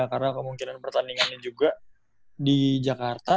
karena kemungkinan pertandingannya juga di jakarta